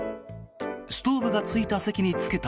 ストーブがついた席に着くと。